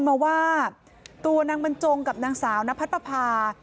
มาว่าตัวนางบรรจงกับนางสาวนพัดปภา